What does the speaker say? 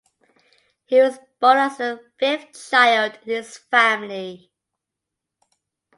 He was born as the fifth child in his family.